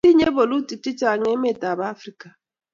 tinyei bolutik chechang emetab Afrika